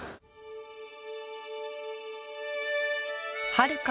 はるか